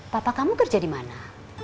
papa kamu kerja di mana